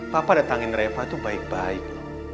papa datangin reva itu baik baik